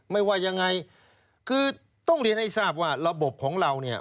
ว่ายังไงคือต้องเรียนให้ทราบว่าระบบของเราเนี่ย